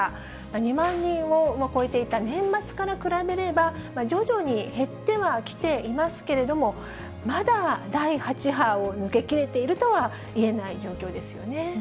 ２万人を超えていた年末から比べれば、徐々に減ってはきていますけれども、まだ第８波を抜け切れているとはいえない状況ですよね。